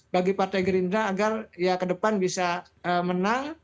bagi partai gerindra agar ya ke depan bisa menang